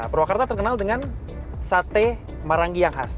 purwakarta terkenal dengan sate marangi yang khas